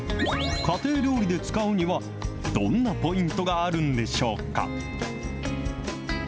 家庭料理で使うには、どんなポイントがあるんでしょうか。